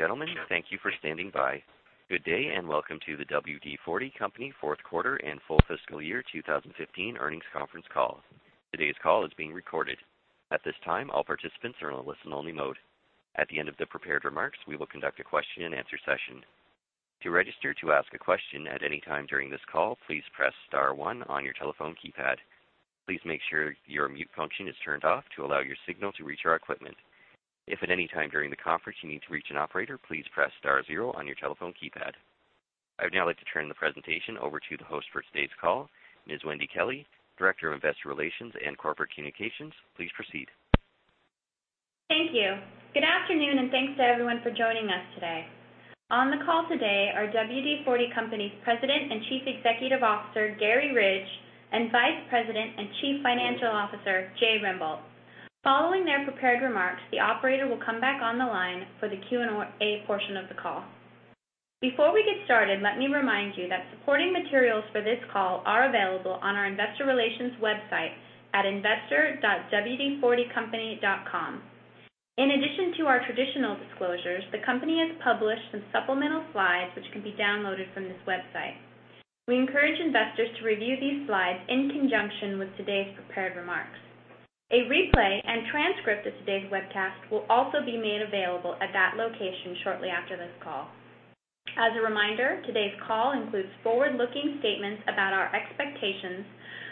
Ladies and gentlemen, thank you for standing by. Good day, and welcome to the WD-40 Company fourth quarter and full fiscal year 2015 earnings conference call. Today's call is being recorded. At this time, all participants are in a listen-only mode. At the end of the prepared remarks, we will conduct a question and answer session. To register to ask a question at any time during this call, please press star one on your telephone keypad. Please make sure your mute function is turned off to allow your signal to reach our equipment. If at any time during the conference you need to reach an operator, please press star zero on your telephone keypad. I would now like to turn the presentation over to the host for today's call, Ms. Wendy Kelley, Director of Investor Relations and Corporate Communications. Please proceed. Thank you. Good afternoon, and thanks to everyone for joining us today. On the call today are WD-40 Company's President and Chief Executive Officer, Garry Ridge, and Vice President and Chief Financial Officer, Jay Rembolt. Following their prepared remarks, the operator will come back on the line for the Q&A portion of the call. Before we get started, let me remind you that supporting materials for this call are available on our investor.wd40company.com website. In addition to our traditional disclosures, the company has published some supplemental slides which can be downloaded from this website. We encourage investors to review these slides in conjunction with today's prepared remarks. A replay and transcript of today's webcast will also be made available at that location shortly after this call. As a reminder, today's call includes forward-looking statements about our expectations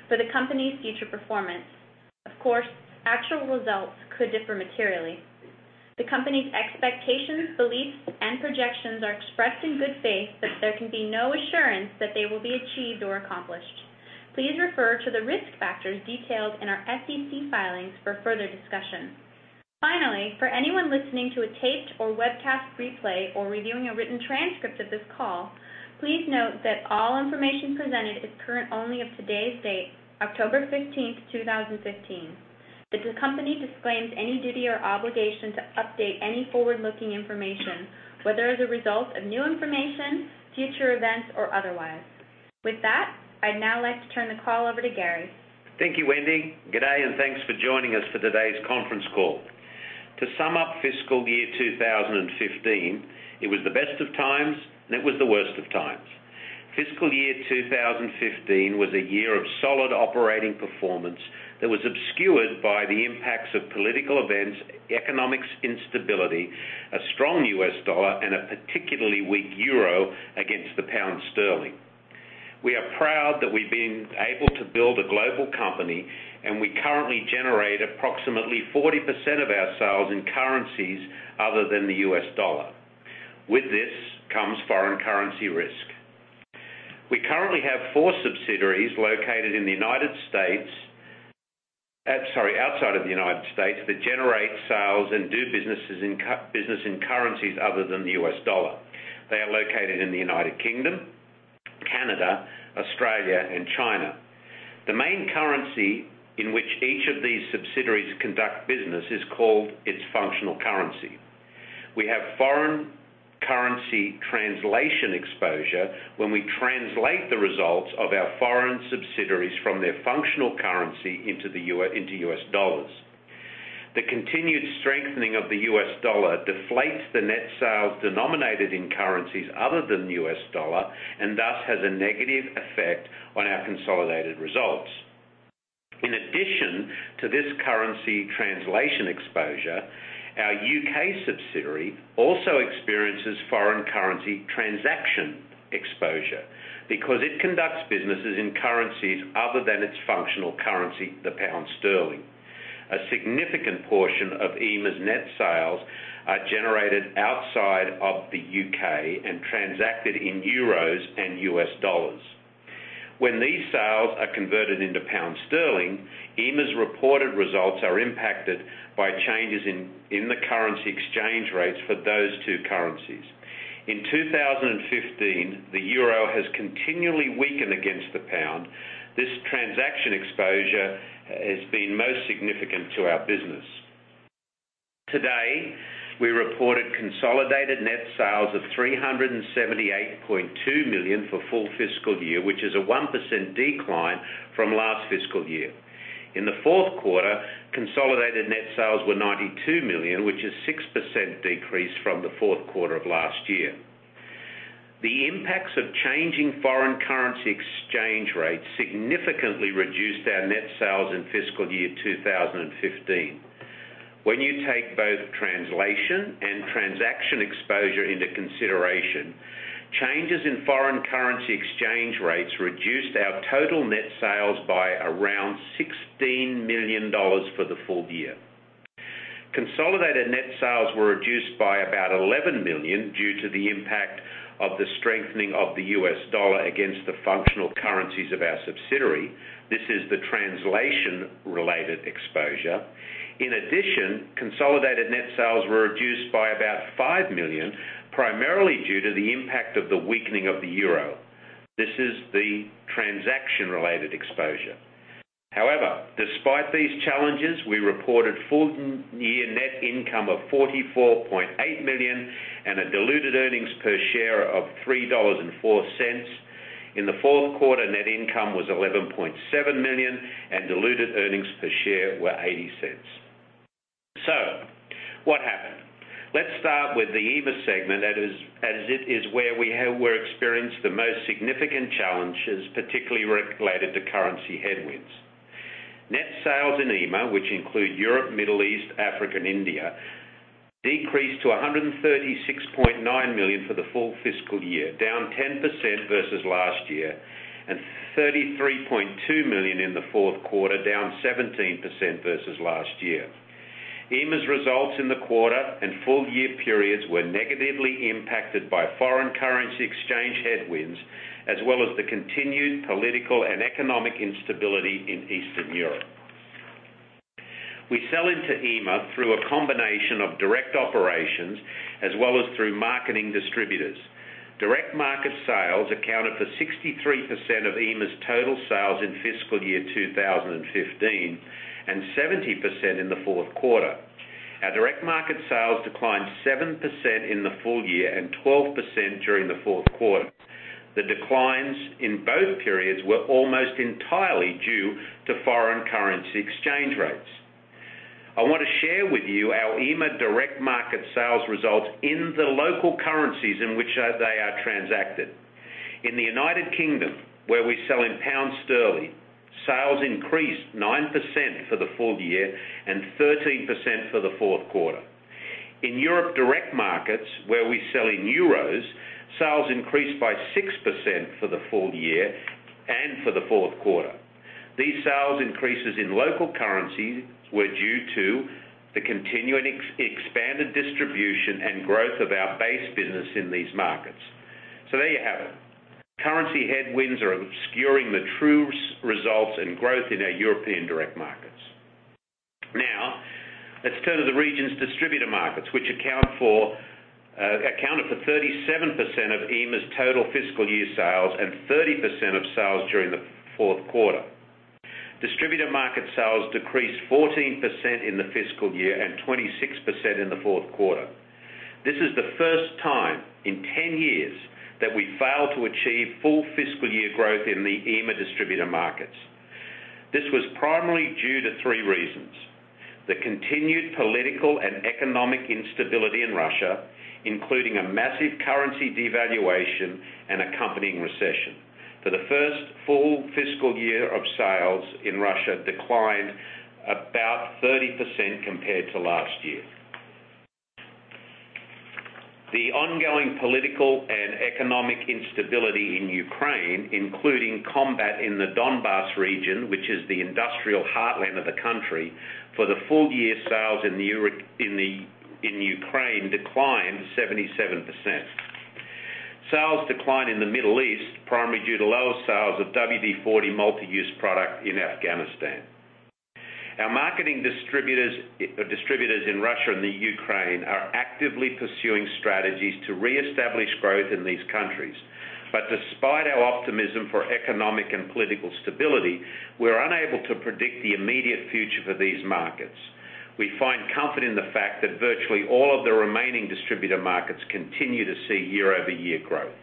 for the company's future performance. Of course, actual results could differ materially. The company's expectations, beliefs, and projections are expressed in good faith, but there can be no assurance that they will be achieved or accomplished. Please refer to the risk factors detailed in our SEC filings for further discussion. Finally, for anyone listening to a taped or webcast replay or reviewing a written transcript of this call, please note that all information presented is current only of today's date, October 15th, 2015, that the company disclaims any duty or obligation to update any forward-looking information, whether as a result of new information, future events, or otherwise. With that, I'd now like to turn the call over to Garry. Thank you, Wendy. Good day, and thanks for joining us for today's conference call. To sum up fiscal year 2015, it was the best of times, and it was the worst of times. Fiscal year 2015 was a year of solid operating performance that was obscured by the impacts of political events, economic instability, a strong US dollar, and a particularly weak euro against the pound sterling. We are proud that we've been able to build a global company, and we currently generate approximately 40% of our sales in currencies other than the US dollar. With this comes foreign currency risk. We currently have four subsidiaries located outside of the United States that generate sales and do business in currencies other than the US dollar. They are located in the United Kingdom, Canada, Australia, and China. The main currency in which each of these subsidiaries conduct business is called its functional currency. We have foreign currency translation exposure when we translate the results of our foreign subsidiaries from their functional currency into U.S. dollars. The continued strengthening of the U.S. dollar deflates the net sales denominated in currencies other than the U.S. dollar and thus has a negative effect on our consolidated results. In addition to this currency translation exposure, our U.K. subsidiary also experiences foreign currency transaction exposure because it conducts businesses in currencies other than its functional currency, the GBP. A significant portion of EMEA's net sales are generated outside of the U.K. and transacted in EUR and U.S. dollars. When these sales are converted into GBP, EMEA's reported results are impacted by changes in the currency exchange rates for those two currencies. In 2015, the EUR has continually weakened against the GBP. This transaction exposure has been most significant to our business. Today, we reported consolidated net sales of $378.2 million for full fiscal year, which is a 1% decline from last fiscal year. In the fourth quarter, consolidated net sales were $92 million, which is a 6% decrease from the fourth quarter of last year. The impacts of changing foreign currency exchange rates significantly reduced our net sales in fiscal year 2015. When you take both translation and transaction exposure into consideration, changes in foreign currency exchange rates reduced our total net sales by around $16 million for the full year. Consolidated net sales were reduced by about $11 million due to the impact of the strengthening of the U.S. dollar against the functional currencies of our subsidiary. This is the translation-related exposure. In addition, consolidated net sales were reduced by about $5 million, primarily due to the impact of the weakening of the EUR. This is the transaction-related exposure. However, despite these challenges, we reported full-year net income of $44.8 million and a diluted earnings per share of $3.04. In the fourth quarter, net income was $11.7 million, and diluted earnings per share were $0.80. What happened? Let's start with the EMEA segment as it is where we experienced the most significant challenges, particularly related to currency headwinds. Net sales in EMEA, which include Europe, Middle East, Africa, and India, decreased to $136.9 million for the full fiscal year, down 10% versus last year, and $33.2 million in the fourth quarter, down 17% versus last year. EMEA's results in the quarter and full-year periods were negatively impacted by foreign currency exchange headwinds, as well as the continued political and economic instability in Eastern Europe. We sell into EMEA through a combination of direct operations as well as through marketing distributors. Direct market sales accounted for 63% of EMEA's total sales in fiscal year 2015 and 70% in the fourth quarter. Our direct market sales declined 7% in the full year and 12% during the fourth quarter. The declines in both periods were almost entirely due to foreign currency exchange rates. I want to share with you our EMEA direct market sales results in the local currencies in which they are transacted. In the U.K., where we sell in GBP, sales increased 9% for the full year and 13% for the fourth quarter. In Europe direct markets, where we sell in EUR, sales increased by 6% for the full year and for the fourth quarter. These sales increases in local currencies were due to the continuing expanded distribution and growth of our base business in these markets. There you have it. Currency headwinds are obscuring the true results and growth in our European direct markets. Let's turn to the region's distributor markets, which accounted for 37% of EMEA's total fiscal year sales and 30% of sales during the fourth quarter. Distributor market sales decreased 14% in the fiscal year and 26% in the fourth quarter. This is the first time in 10 years that we failed to achieve full fiscal year growth in the EMEA distributor markets. This was primarily due to three reasons. The continued political and economic instability in Russia, including a massive currency devaluation and accompanying recession. For the first full fiscal year of sales in Russia declined about 30% compared to last year. The ongoing political and economic instability in Ukraine, including combat in the Donbas region, which is the industrial heartland of the country. For the full-year sales in Ukraine declined 77%. Sales declined in the Middle East, primarily due to lower sales of WD-40 Multi-Use Product in Afghanistan. Our marketing distributors in Russia and Ukraine are actively pursuing strategies to reestablish growth in these countries. Despite our optimism for economic and political stability, we're unable to predict the immediate future for these markets. We find comfort in the fact that virtually all of the remaining distributor markets continue to see year-over-year growth.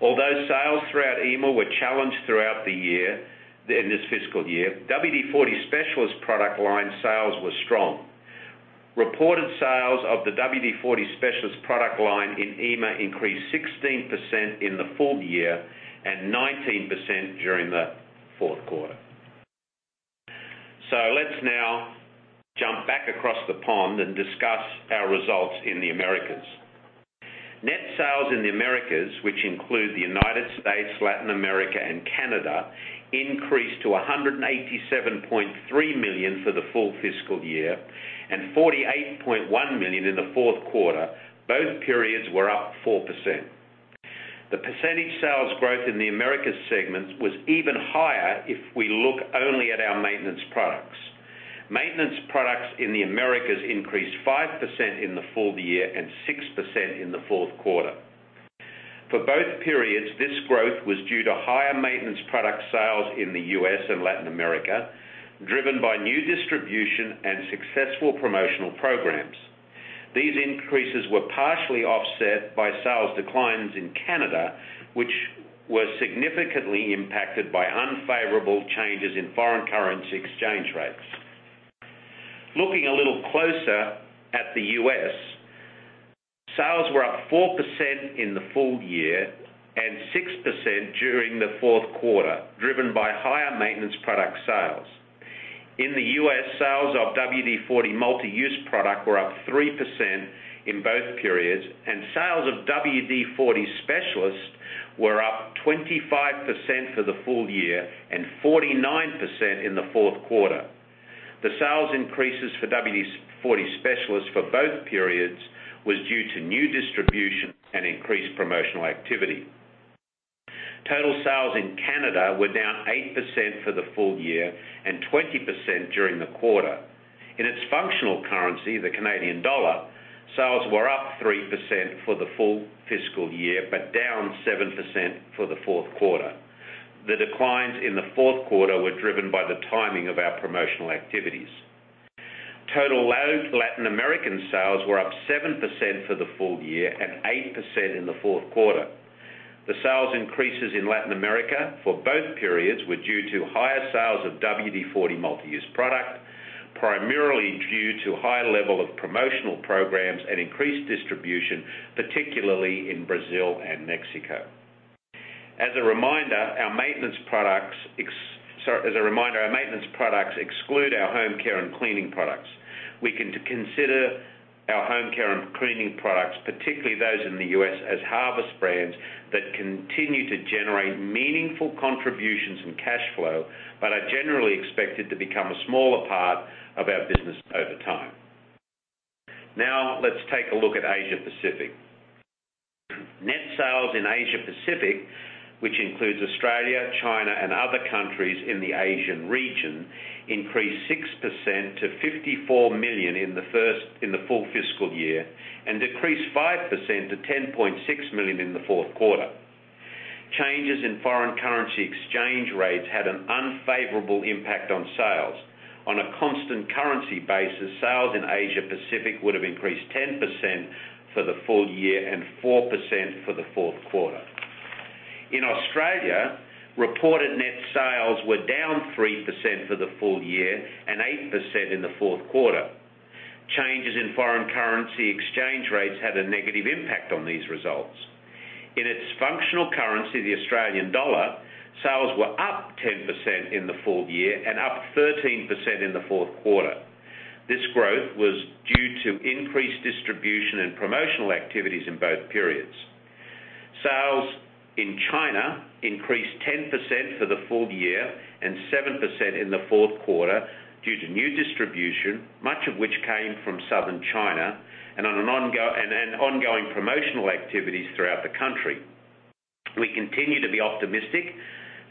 Sales throughout EMEA were challenged throughout the year, in this fiscal year, WD-40 Specialist product line sales were strong. Reported sales of the WD-40 Specialist product line in EMEA increased 16% in the full year and 19% during the fourth quarter. Let's now jump back across the pond and discuss our results in the Americas. Net sales in the Americas, which include the United States, Latin America, and Canada, increased to $187.3 million for the full fiscal year and $48.1 million in the fourth quarter. Both periods were up 4%. The percentage sales growth in the Americas segment was even higher if we look only at our maintenance products. Maintenance products in the Americas increased 5% in the full year and 6% in the fourth quarter. For both periods, this growth was due to higher maintenance product sales in the U.S. and Latin America, driven by new distribution and successful promotional programs. These increases were partially offset by sales declines in Canada, which were significantly impacted by unfavorable changes in foreign currency exchange rates. Looking a little closer at the U.S., sales were up 4% in the full year and 6% during the fourth quarter, driven by higher maintenance product sales. In the U.S., sales of WD-40 Multi-Use Product were up 3% in both periods, and sales of WD-40 Specialist were up 25% for the full year and 49% in the fourth quarter. The sales increases for WD-40 Specialist for both periods was due to new distribution and increased promotional activity. Total sales in Canada were down 8% for the full year and 20% during the quarter. In its functional currency, the Canadian dollar, sales were up 3% for the full fiscal year, but down 7% for the fourth quarter. The declines in the fourth quarter were driven by the timing of our promotional activities. Total Latin American sales were up 7% for the full year and 8% in the fourth quarter. The sales increases in Latin America for both periods were due to higher sales of WD-40 Multi-Use Product, primarily due to high level of promotional programs and increased distribution, particularly in Brazil and Mexico. As a reminder, our maintenance products exclude our home care and cleaning products. We can consider our home care and cleaning products, particularly those in the U.S., as harvest brands that continue to generate meaningful contributions and cash flow, but are generally expected to become a smaller part of our business over time. Let's take a look at Asia Pacific. Net sales in Asia Pacific, which includes Australia, China, and other countries in the Asian region, increased 6% to $54 million in the full fiscal year and decreased 5% to $10.6 million in the fourth quarter. Changes in foreign currency exchange rates had an unfavorable impact on sales. On a constant currency basis, sales in Asia Pacific would have increased 10% for the full year and 4% for the fourth quarter. In Australia, reported net sales were down 3% for the full year and 8% in the fourth quarter. Changes in foreign currency exchange rates had a negative impact on these results. In its functional currency, the Australian dollar, sales were up 10% in the full year and up 13% in the fourth quarter. This growth was due to increased distribution and promotional activities in both periods. Sales in China increased 10% for the full year and 7% in the fourth quarter due to new distribution, much of which came from Southern China, and ongoing promotional activities throughout the country. We continue to be optimistic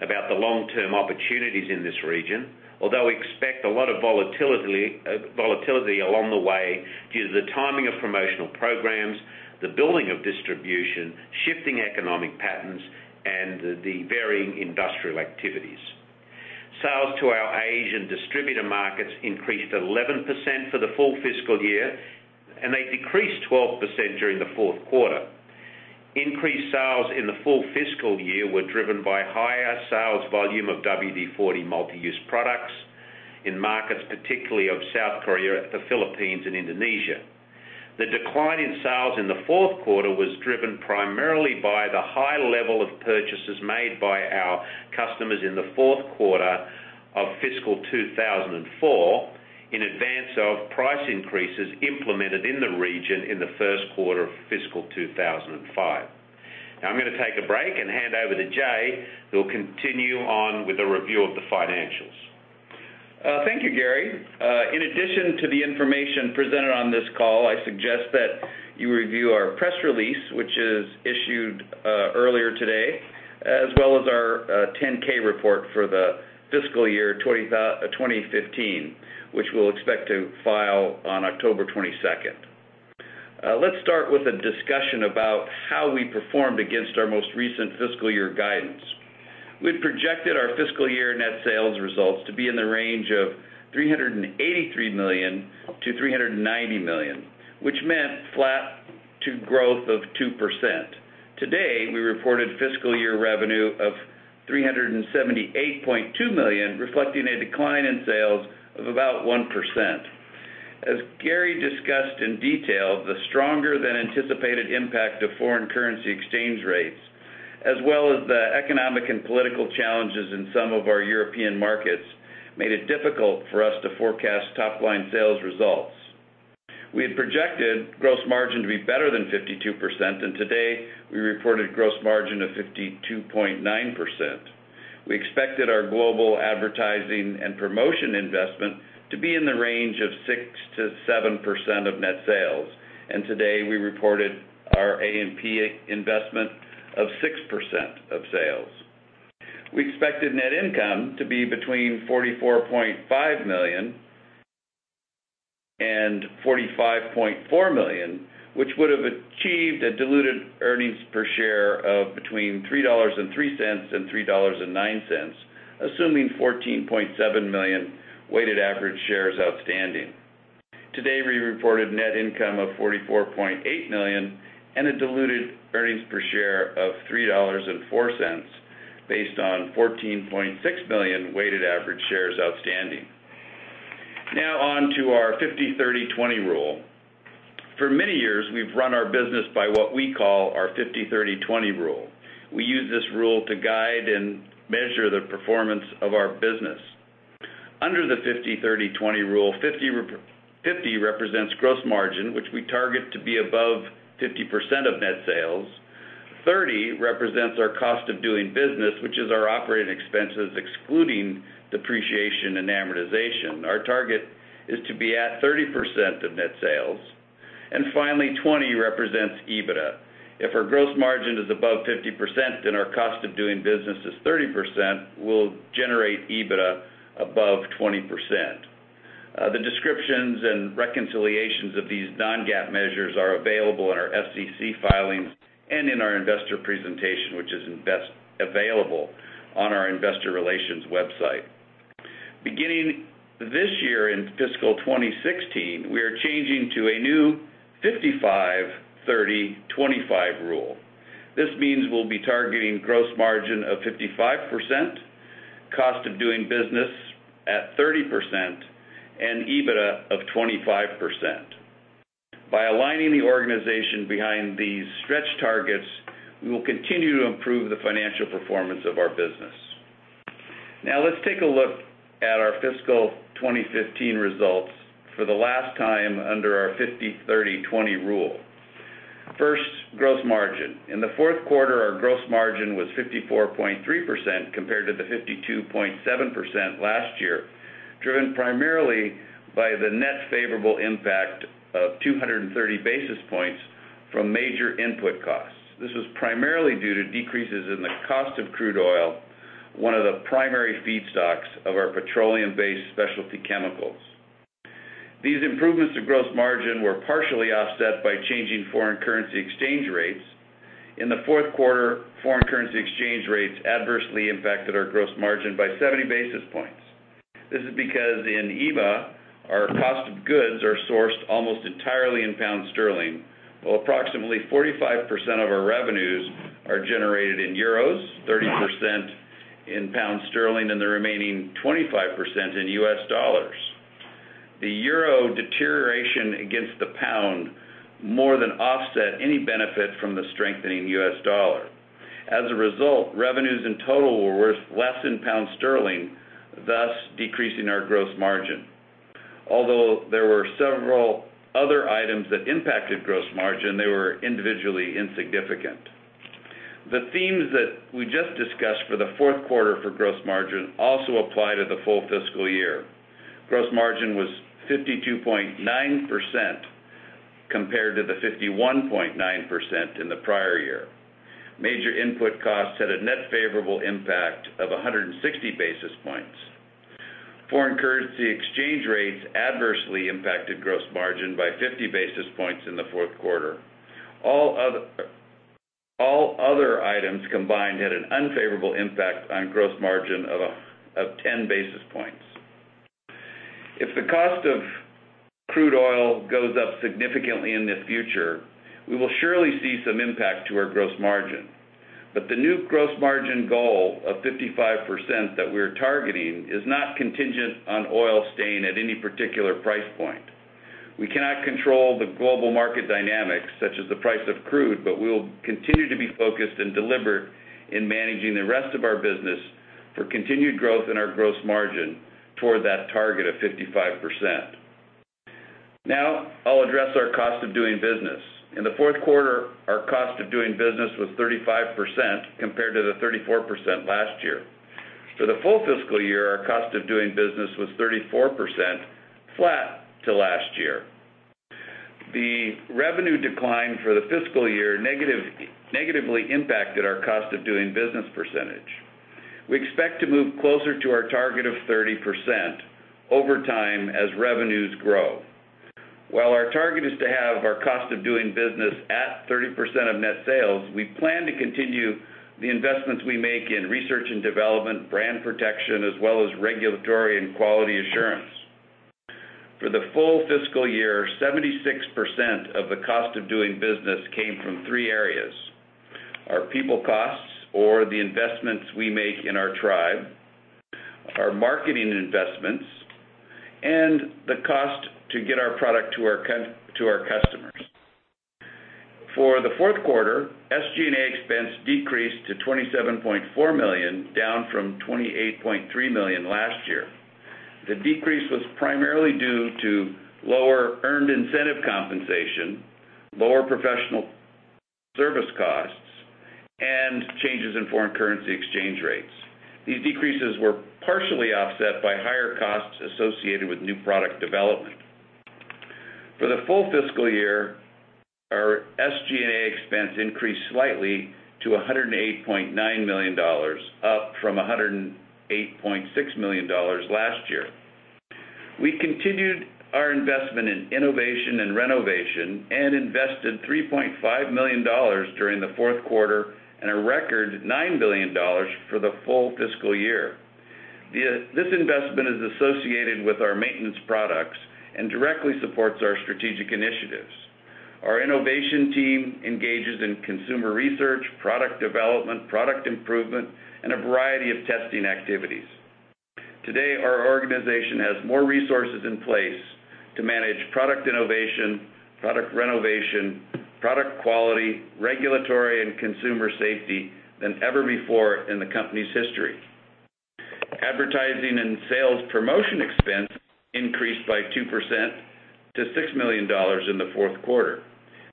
about the long-term opportunities in this region, although we expect a lot of volatility along the way due to the timing of promotional programs, the building of distribution, shifting economic patterns, and the varying industrial activities. Sales to our Asian distributor markets increased 11% for the full fiscal year, and they decreased 12% during the fourth quarter. Increased sales in the full fiscal year were driven by higher sales volume of WD-40 Multi-Use Product in markets, particularly of South Korea, the Philippines, and Indonesia. The decline in sales in the fourth quarter was driven primarily by the high level of purchases made by our customers in the fourth quarter of fiscal 2014 in advance of price increases implemented in the region in the first quarter of fiscal 2015. I'm going to take a break and hand over to Jay, who will continue on with a review of the financials. Thank you, Garry. In addition to the information presented on this call, I suggest that you review our press release, which is issued earlier today, as well as our 10-K report for the fiscal year 2015, which we'll expect to file on October 22nd. Let's start with a discussion about how we performed against our most recent fiscal year guidance. We've projected our fiscal year net sales results to be in the range of $383 million-$390 million, which meant flat to growth of 2%. Today, we reported fiscal year revenue of $378.2 million, reflecting a decline in sales of about 1%. As Garry discussed in detail, the stronger than anticipated impact of foreign currency exchange rates, as well as the economic and political challenges in some of our European markets, made it difficult for us to forecast top-line sales results. We had projected gross margin to be better than 52%, and today we reported gross margin of 52.9%. We expected our global advertising and promotion investment to be in the range of 6%-7% of net sales. Today, we reported our A&P investment of 6% of sales. We expected net income to be between $44.5 million and $45.4 million, which would have achieved a diluted earnings per share of between $3.03 and $3.09, assuming 14.7 million weighted average shares outstanding. Today, we reported net income of $44.8 million and a diluted earnings per share of $3.04, based on 14.6 million weighted average shares outstanding. On to our 50/30/20 rule. For many years, we've run our business by what we call our 50/30/20 rule. We use this rule to guide and measure the performance of our business. Under the 50/30/20 rule, 50 represents gross margin, which we target to be above 50% of net sales. 30 represents our cost of doing business, which is our operating expenses, excluding depreciation and amortization. Our target is to be at 30% of net sales. Finally, 20 represents EBITDA. If our gross margin is above 50%, our cost of doing business is 30%, we'll generate EBITDA above 20%. The descriptions and reconciliations of these non-GAAP measures are available in our SEC filings and in our investor presentation, which is available on our investor relations website. Beginning this year in fiscal 2016, we are changing to a new 55/30/25 rule. This means we'll be targeting gross margin of 55%, cost of doing business at 30%, and EBITDA of 25%. By aligning the organization behind these stretch targets, we will continue to improve the financial performance of our business. Let's take a look at our fiscal 2015 results for the last time under our 50/30/20 rule. First, gross margin. In the fourth quarter, our gross margin was 54.3% compared to the 52.7% last year, driven primarily by the net favorable impact of 230 basis points from major input costs. This was primarily due to decreases in the cost of crude oil, one of the primary feedstocks of our petroleum-based specialty chemicals. These improvements to gross margin were partially offset by changing foreign currency exchange rates. In the fourth quarter, foreign currency exchange rates adversely impacted our gross margin by 70 basis points. This is because in EMEA, our cost of goods are sourced almost entirely in GBP, while approximately 45% of our revenues are generated in EUR, 30% in GBP, and the remaining 25% in USD. The euro deterioration against the pound more than offset any benefit from the strengthening U.S. dollar. As a result, revenues in total were worth less in pound sterling, thus decreasing our gross margin. Although there were several other items that impacted gross margin, they were individually insignificant. The themes that we just discussed for the fourth quarter for gross margin also apply to the full fiscal year. Gross margin was 52.9% compared to the 51.9% in the prior year. Major input costs had a net favorable impact of 160 basis points. Foreign currency exchange rates adversely impacted gross margin by 50 basis points in the fourth quarter. All other items combined had an unfavorable impact on gross margin of 10 basis points. If the cost of crude oil goes up significantly in the future, we will surely see some impact to our gross margin. The new gross margin goal of 55% that we're targeting is not contingent on oil staying at any particular price point. We cannot control the global market dynamics, such as the price of crude, but we will continue to be focused and deliberate in managing the rest of our business for continued growth in our gross margin toward that target of 55%. Now, I'll address our cost of doing business. In the fourth quarter, our cost of doing business was 35% compared to the 34% last year. For the full fiscal year, our cost of doing business was 34%, flat to last year. The revenue decline for the fiscal year negatively impacted our cost of doing business percentage. We expect to move closer to our target of 30% over time as revenues grow. While our target is to have our cost of doing business at 30% of net sales, we plan to continue the investments we make in research and development, brand protection, as well as regulatory and quality assurance. For the full fiscal year, 76% of the cost of doing business came from three areas: our people costs or the investments we make in our tribe, our marketing investments, and the cost to get our product to our customers. For the fourth quarter, SG&A expense decreased to $27.4 million, down from $28.3 million last year. The decrease was primarily due to lower earned incentive compensation, lower professional service costs, and changes in foreign currency exchange rates. These decreases were partially offset by higher costs associated with new product development. For the full fiscal year, our SG&A expense increased slightly to $108.9 million, up from $108.6 million last year. We continued our investment in innovation and renovation and invested $3.5 million during the fourth quarter and a record $9 million for the full fiscal year. This investment is associated with our maintenance products and directly supports our strategic initiatives. Our innovation team engages in consumer research, product development, product improvement, and a variety of testing activities. Today, our organization has more resources in place to manage product innovation, product renovation, product quality, regulatory, and consumer safety than ever before in the company's history. Advertising and sales promotion expense increased by 2% to $6 million in the fourth quarter.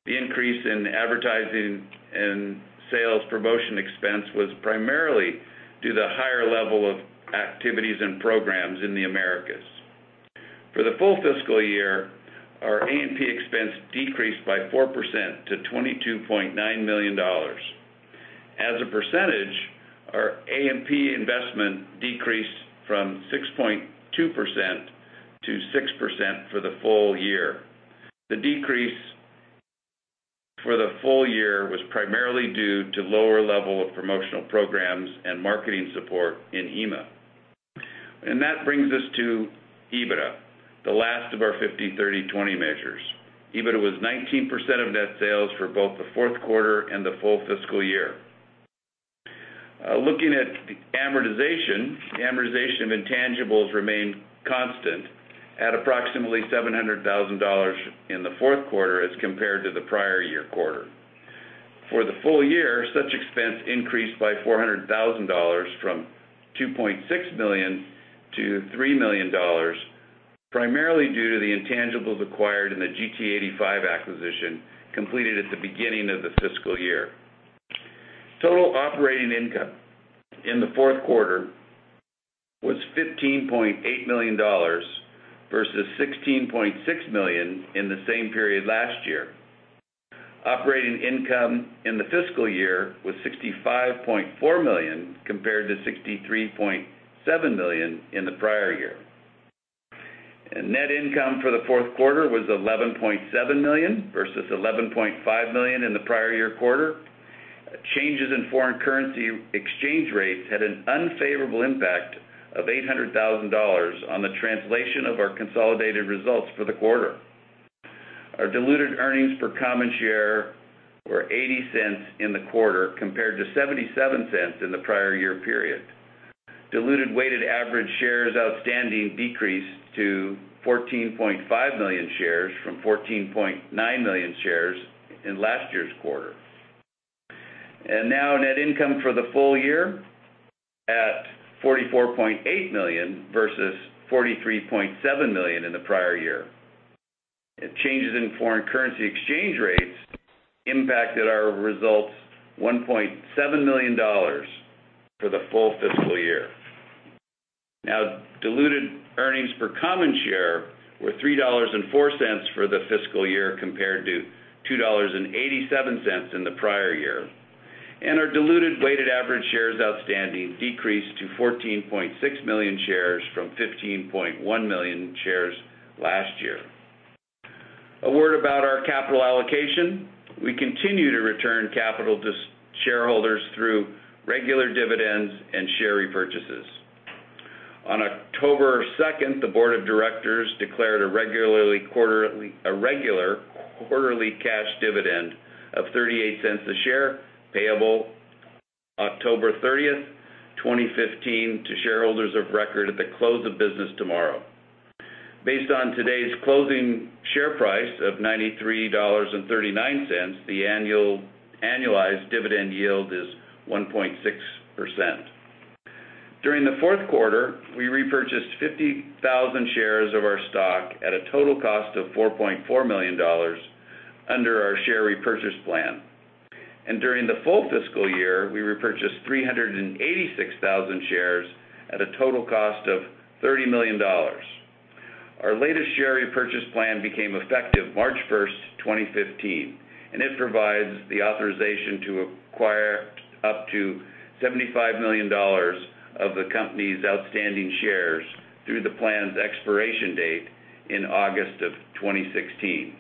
The increase in advertising and sales promotion expense was primarily due to the higher level of activities and programs in the Americas. For the full fiscal year, our A&P expense decreased by 4% to $22.9 million. As a percentage, our A&P investment decreased from 6.2% to 6% for the full year. The decrease for the full year was primarily due to lower level of promotional programs and marketing support in EMEA. That brings us to EBITDA, the last of our 50-30-20 measures. EBITDA was 19% of net sales for both the fourth quarter and the full fiscal year. Looking at amortization of intangibles remained constant at approximately $700,000 in the fourth quarter as compared to the prior year quarter. For the full year, such expense increased by $400,000 from $2.6 million to $3 million, primarily due to the intangibles acquired in the GT85 acquisition completed at the beginning of the fiscal year. Total operating income in the fourth quarter was $15.8 million versus $16.6 million in the same period last year. Operating income in the fiscal year was $65.4 million compared to $63.7 million in the prior year. Net income for the fourth quarter was $11.7 million versus $11.5 million in the prior year quarter. Changes in foreign currency exchange rates had an unfavorable impact of $800,000 on the translation of our consolidated results for the quarter. Our diluted earnings per common share were $0.80 in the quarter compared to $0.77 in the prior year period. Diluted weighted average shares outstanding decreased to 14.5 million shares from 14.9 million shares in last year's quarter. Now net income for the full year at $44.8 million versus $43.7 million in the prior year. Changes in foreign currency exchange rates impacted our results, $1.7 million for the full fiscal year. Now, diluted earnings per common share were $3.04 for the fiscal year compared to $2.87 in the prior year. Our diluted weighted average shares outstanding decreased to 14.6 million shares from 15.1 million shares last year. A word about our capital allocation. We continue to return capital to shareholders through regular dividends and share repurchases. On October 2nd, the board of directors declared a regular quarterly cash dividend of $0.38 a share, payable October 30th, 2015, to shareholders of record at the close of business tomorrow. Based on today's closing share price of $93.39, the annualized dividend yield is 1.6%. During the fourth quarter, we repurchased 50,000 shares of our stock at a total cost of $4.4 million under our share repurchase plan. During the full fiscal year, we repurchased 386,000 shares at a total cost of $30 million. Our latest share repurchase plan became effective March 1st, 2015, and it provides the authorization to acquire up to $75 million of the company's outstanding shares through the plan's expiration date in August of 2016.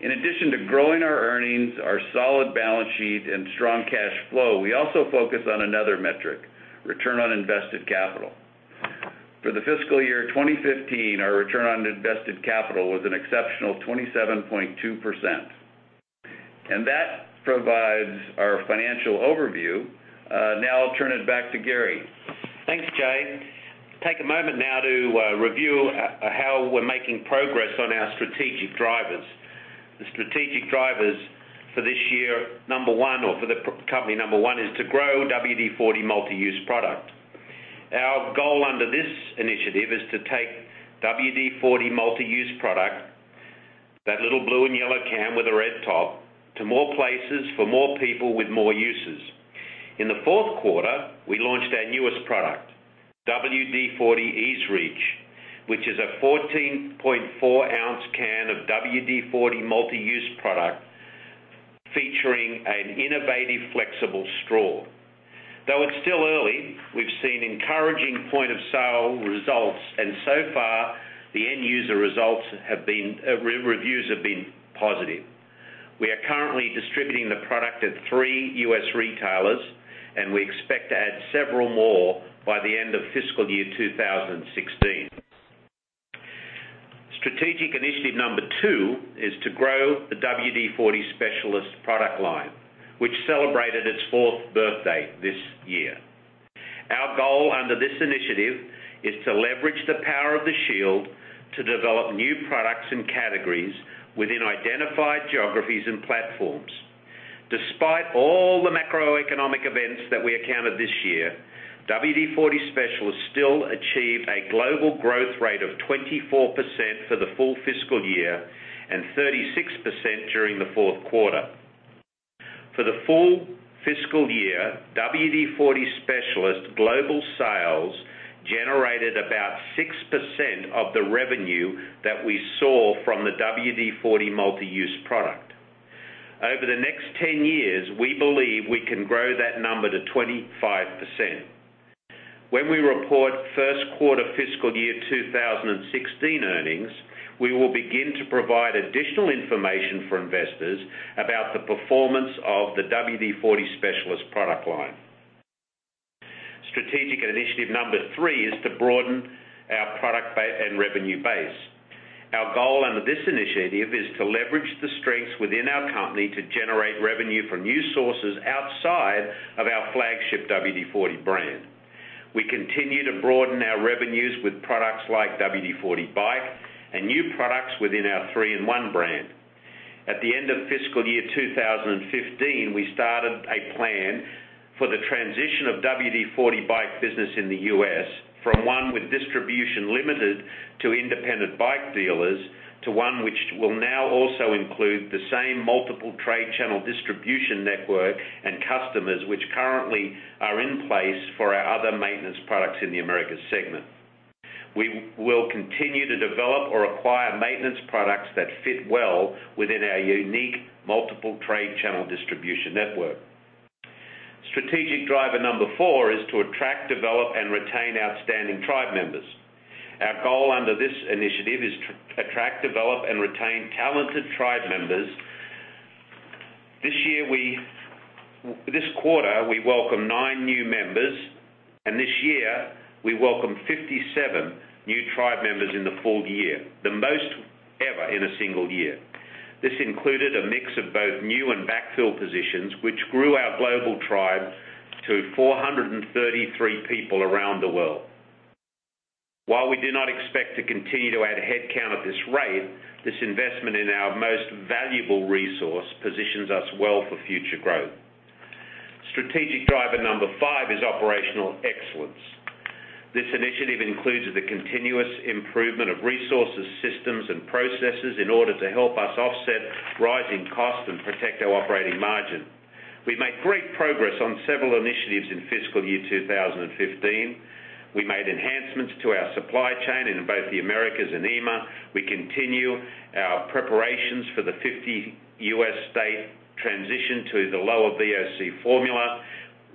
In addition to growing our earnings, our solid balance sheet, and strong cash flow, we also focus on another metric, return on invested capital. For the fiscal year 2015, our return on invested capital was an exceptional 27.2%. That provides our financial overview. Now I'll turn it back to Garry. Thanks, Jay. Take a moment now to review how we're making progress on our strategic drivers. The strategic drivers for this year, number one or for the company number one, is to grow WD-40 Multi-Use Product. Our goal under this initiative is to take WD-40 Multi-Use Product, that little blue and yellow can with a red top, to more places for more people with more uses. In the fourth quarter, we launched our newest product, WD-40 EZ-Reach, which is a 14.4-ounce can of WD-40 Multi-Use Product featuring an innovative flexible straw. Though it's still early, we've seen encouraging point-of-sale results. So far, the end user reviews have been positive. We are currently distributing the product at three U.S. retailers, and we expect to add several more by the end of fiscal year 2016. Strategic initiative number two is to grow the WD-40 Specialist product line, which celebrated its fourth birthday this year. Our goal under this initiative is to leverage the power of the shield to develop new products and categories within identified geographies and platforms. Despite all the macroeconomic events that we encountered this year, WD-40 Specialist still achieved a global growth rate of 24% for the full fiscal year and 36% during the fourth quarter. For the full fiscal year, WD-40 Specialist global sales generated about 6% of the revenue that we saw from the WD-40 Multi-Use Product. Over the next 10 years, we believe we can grow that number to 25%. When we report first quarter fiscal year 2016 earnings, we will begin to provide additional information for investors about the performance of the WD-40 Specialist product line. Strategic initiative number three is to broaden our product base and revenue base. Our goal under this initiative is to leverage the strengths within our company to generate revenue from new sources outside of our flagship WD-40 brand. We continue to broaden our revenues with products like WD-40 BIKE and new products within our 3-IN-ONE brand. At the end of fiscal year 2015, we started a plan for the transition of WD-40 BIKE business in the U.S. from one with distribution limited to independent bike dealers, to one which will now also include the same multiple trade channel distribution network and customers, which currently are in place for our other maintenance products in the Americas segment. We will continue to develop or acquire maintenance products that fit well within our unique multiple trade channel distribution network. Strategic driver number four is to attract, develop, and retain outstanding tribe members. Our goal under this initiative is to attract, develop, and retain talented tribe members. This quarter, we welcomed nine new members, and this year, we welcomed 57 new tribe members in the full year, the most ever in a single year. This included a mix of both new and backfill positions, which grew our global tribe to 433 people around the world. While we do not expect to continue to add headcount at this rate, this investment in our most valuable resource positions us well for future growth. Strategic driver number five is operational excellence. This initiative includes the continuous improvement of resources, systems, and processes in order to help us offset rising costs and protect our operating margin. We made great progress on several initiatives in fiscal year 2015. We made enhancements to our supply chain in both the Americas and EMEA. We continue our preparations for the 50 U.S. state transition to the lower VOC formula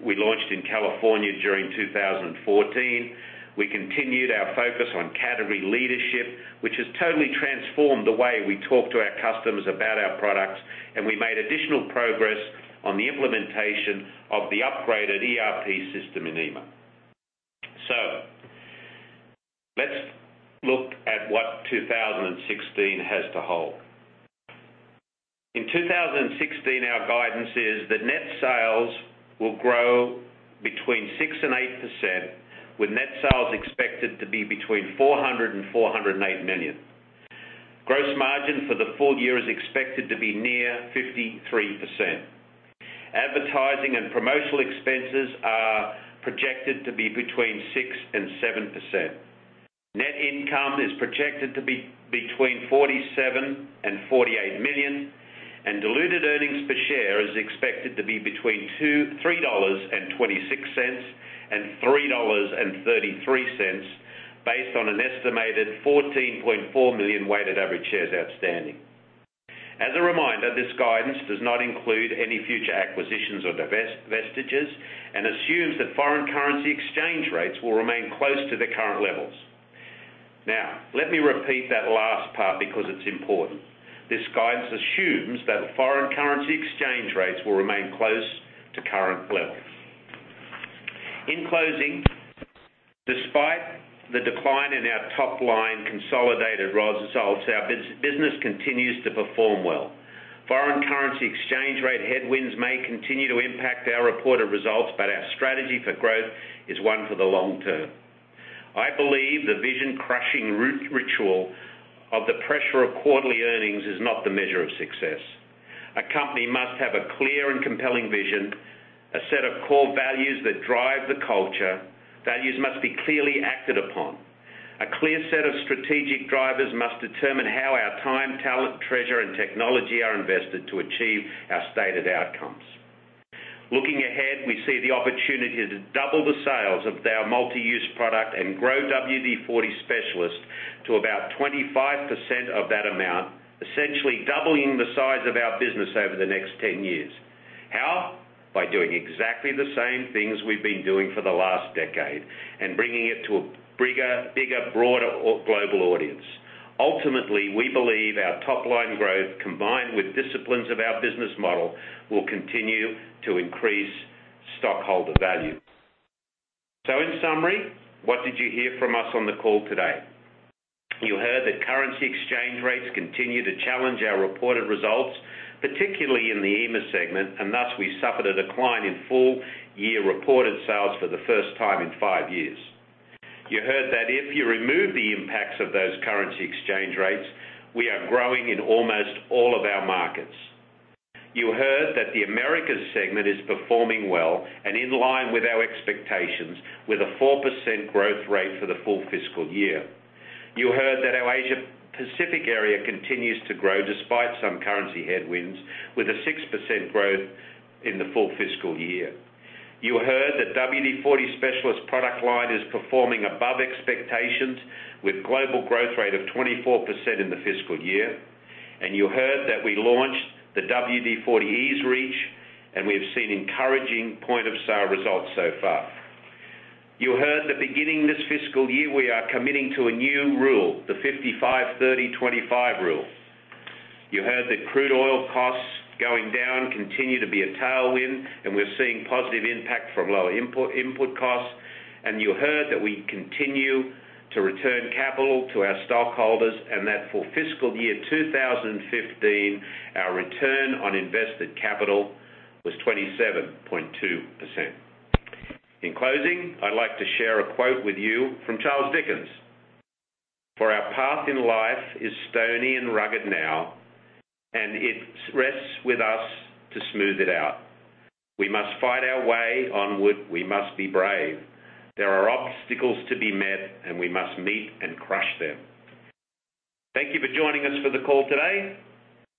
we launched in California during 2014. We continued our focus on category leadership, which has totally transformed the way we talk to our customers about our products. We made additional progress on the implementation of the upgraded ERP system in EMEA. Let's look at what 2016 has to hold. In 2016, our guidance is that net sales will grow between 6%-8%, with net sales expected to be between $400 million-$408 million. Gross margin for the full year is expected to be near 53%. Advertising and promotional expenses are projected to be between 6%-7%. Net income is projected to be between $47 million-$48 million, and diluted earnings per share is expected to be between $3.26-$3.33, based on an estimated 14.4 million weighted average shares outstanding. As a reminder, this guidance does not include any future acquisitions or divestitures, assumes that foreign currency exchange rates will remain close to the current levels. Let me repeat that last part because it's important. This guidance assumes that foreign currency exchange rates will remain close to current levels. In closing, despite the decline in our top-line consolidated raw results, our business continues to perform well. Foreign currency exchange rate headwinds may continue to impact our reported results, our strategy for growth is one for the long term. I believe the vision-crushing ritual of the pressure of quarterly earnings is not the measure of success. A company must have a clear and compelling vision, a set of core values that drive the culture. Values must be clearly acted upon. A clear set of strategic drivers must determine how our time, talent, treasure, and technology are invested to achieve our stated outcomes. Looking ahead, we see the opportunity to double the sales of our Multi-Use Product and grow WD-40 Specialist to about 25% of that amount, essentially doubling the size of our business over the next 10 years. How? By doing exactly the same things we've been doing for the last decade and bringing it to a bigger, broader global audience. Ultimately, we believe our top-line growth, combined with disciplines of our business model, will continue to increase stockholder value. In summary, what did you hear from us on the call today? You heard that currency exchange rates continue to challenge our reported results, particularly in the EMEA segment, thus, we suffered a decline in full-year reported sales for the first time in five years. You heard that if you remove the impacts of those currency exchange rates, we are growing in almost all of our markets. You heard that the Americas segment is performing well and in line with our expectations, with a 4% growth rate for the full fiscal year. You heard that our Asia Pacific area continues to grow despite some currency headwinds, with a 6% growth in the full fiscal year. You heard that WD-40 Specialist product line is performing above expectations with global growth rate of 24% in the fiscal year. You heard that we launched the WD-40 EZ-Reach, we have seen encouraging point-of-sale results so far. You heard that beginning this fiscal year, we are committing to a new rule, the 55/30/25 rule. You heard that crude oil costs going down continue to be a tailwind, we're seeing positive impact from lower input costs. You heard that we continue to return capital to our stockholders, and that for fiscal 2015, our return on invested capital was 27.2%. In closing, I'd like to share a quote with you from Charles Dickens. "For our path in life is stony and rugged now, and it rests with us to smooth it out. We must fight our way onward. We must be brave. There are obstacles to be met, and we must meet and crush them." Thank you for joining us for the call today.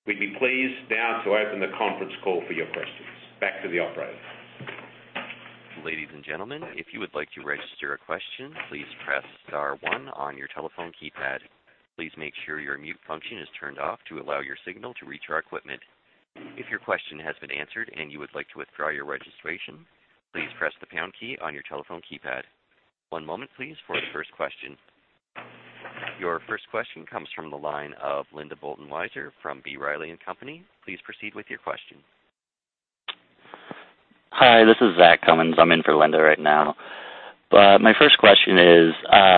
We'd be pleased now to open the conference call for your questions. Back to the operator. Ladies and gentlemen, if you would like to register a question, please press star one on your telephone keypad. Please make sure your mute function is turned off to allow your signal to reach our equipment. If your question has been answered and you would like to withdraw your registration, please press the pound key on your telephone keypad. One moment please for the first question. Your first question comes from the line of Linda Bolton-Weiser from B. Riley & Co.. Please proceed with your question. Hi, this is Zach Cummins. I'm in for Linda right now. My first question is,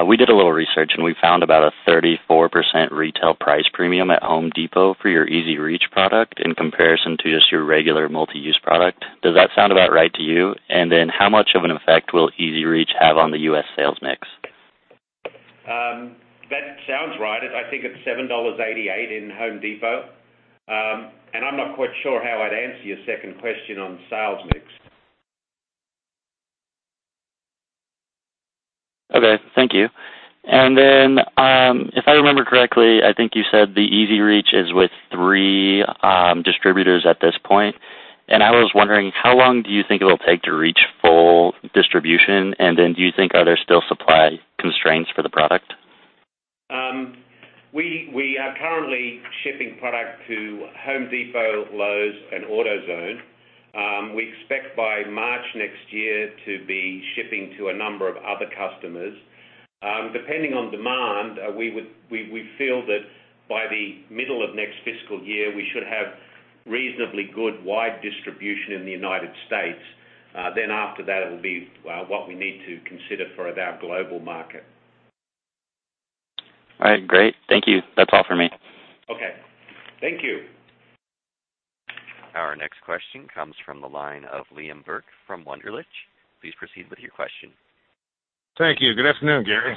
we did a little research and we found about a 34% retail price premium at Home Depot for your EZ Reach product in comparison to just your regular multi-use product. Does that sound about right to you? Then how much of an effect will EZ Reach have on the U.S. sales mix? That sounds right. I think it's $7.88 in Home Depot. I'm not quite sure how I'd answer your second question on sales mix. Okay. Thank you. If I remember correctly, I think you said the EZ-Reach is with three distributors at this point. I was wondering, how long do you think it'll take to reach full distribution? Do you think, are there still supply constraints for the product? We are currently shipping product to Home Depot, Lowe's, and AutoZone. We expect by March next year to be shipping to a number of other customers. Depending on demand, we feel that by the middle of next fiscal year, we should have reasonably good wide distribution in the United States. After that, it'll be what we need to consider for our global market. All right. Great. Thank you. That's all for me. Okay. Thank you. Our next question comes from the line of Liam Burke from Wunderlich. Please proceed with your question. Thank you. Good afternoon, Garry.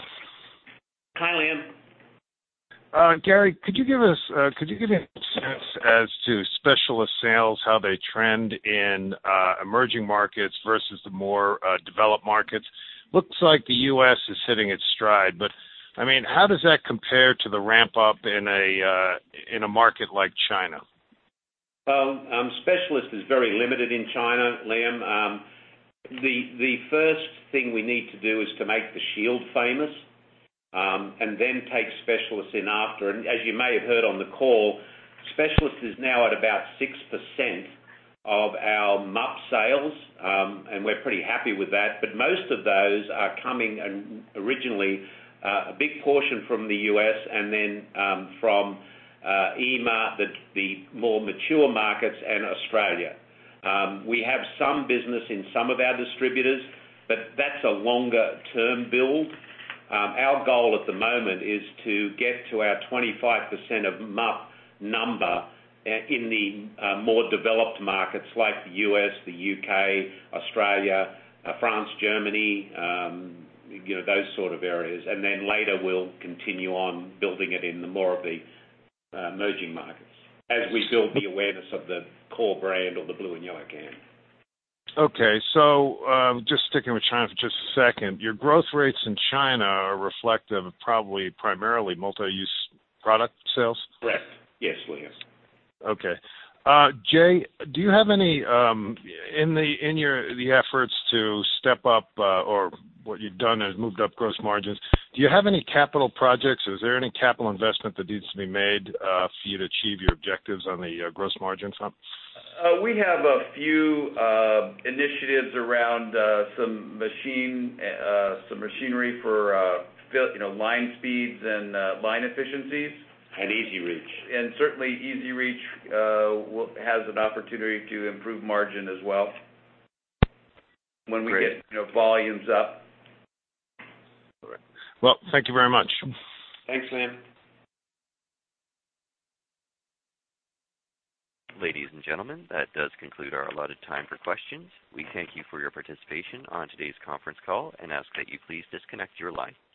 Hi, Liam. Garry, could you give me a sense as to Specialist sales, how they trend in emerging markets versus the more developed markets? Looks like the U.S. is hitting its stride, but how does that compare to the ramp-up in a market like China? Specialist is very limited in China, Liam. The first thing we need to do is to make the shield famous, then take Specialist in after. As you may have heard on the call, Specialist is now at about 6% of our MUP sales. We're pretty happy with that, but most of those are coming originally, a big portion from the U.S. and then from EMEA, the more mature markets, and Australia. We have some business in some of our distributors, but that's a longer-term build. Our goal at the moment is to get to our 25% of MUP number in the more developed markets like the U.S., the U.K., Australia, France, Germany, those sort of areas. Later, we'll continue on building it in the more of the emerging markets as we build the awareness of the core brand or the blue and yellow can. Okay. Just sticking with China for just a second. Your growth rates in China are reflective of probably primarily Multi-Use Product sales? Correct. Yes, Liam. Okay. Jay, in the efforts to step up or what you've done is moved up gross margins, do you have any capital projects? Is there any capital investment that needs to be made for you to achieve your objectives on the gross margin front? We have a few initiatives around some machinery for line speeds and line efficiencies. EZ-Reach. Certainly EZ-Reach has an opportunity to improve margin as well when we get volumes up. All right. Well, thank you very much. Thanks, Liam. Ladies and gentlemen, that does conclude our allotted time for questions. We thank you for your participation on today's conference call and ask that you please disconnect your line.